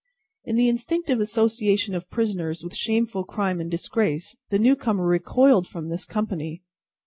In the instinctive association of prisoners with shameful crime and disgrace, the new comer recoiled from this company.